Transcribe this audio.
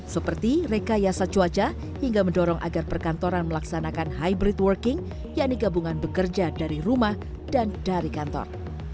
seperti rekayasa cuaca hingga mendorong agar perkantoran melaksanakan hybrid working yakni gabungan bekerja dari rumah dan dari kantor